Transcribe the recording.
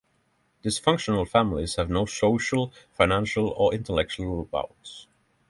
Dysfunctional families have no social, financial or intellectual bounds.